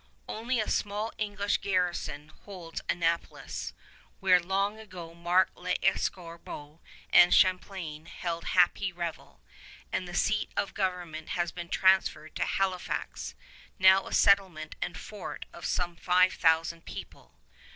Only a small English garrison holds Annapolis, where long ago Marc L'Escarbot and Champlain held happy revel; and the seat of government has been transferred to Halifax, now a settlement and fort of some five thousand people.